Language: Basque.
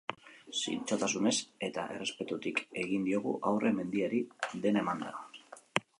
Zintzotasunez eta errespetutik egin diogu aurre mendiari, dena emanda.